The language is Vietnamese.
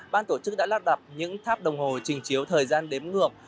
ban tổ chức đã lắp đặt những tháp đồng hồ trình chiếu thời gian đếm ngược